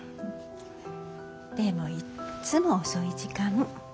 でもいっつも遅い時間。